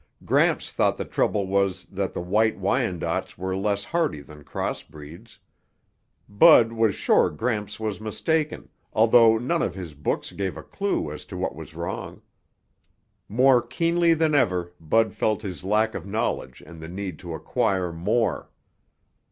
Gramps thought the trouble was that the White Wyandottes were less hardy than crossbreeds. Bud was sure Gramps was mistaken, although none of his books gave a clue as to what was wrong. More keenly than ever, Bud felt his lack of knowledge and the need to acquire more.